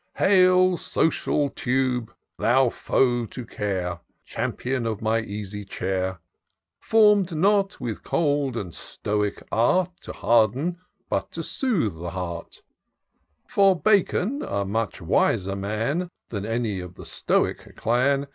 *' Hail, social tube ! thou foe to care ! Companion of my easy chair ! 350 TOUR OF DOCTOR SYNTAX Form'd not, with cold and Stoic art ! To harden, but to soothe the heart ! For Bacon, a much wiser man Than any of the Stoic clan.